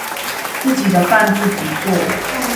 自己的飯自己做